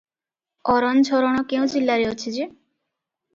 ଅରନଝରଣ କେଉଁ ଜିଲ୍ଲାରେ ଅଛି ଯେ?